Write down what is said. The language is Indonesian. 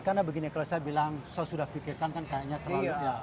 karena begini kalau saya bilang saya sudah pikirkan kan kayaknya terlalu